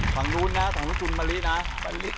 ฝั่งนู้นนะฝั่งนู้นจุนมะลินะ